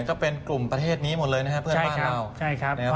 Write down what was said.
ก็เป็นกลุ่มประเทศนี้หมดเลยนะครับเพื่อนบ้านเราใช่ครับนะครับ